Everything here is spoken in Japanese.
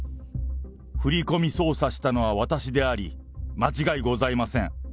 振り込み操作したのは私であり、間違いございません。